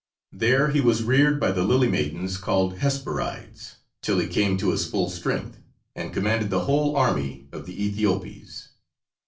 There he was reared by the lily maidens called Hesperides, till he came to his full strength, and commanded the whole army of the Aethiopes.